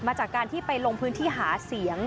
จากการที่ไปลงพื้นที่หาเสียง